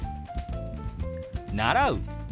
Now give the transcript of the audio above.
「習う」。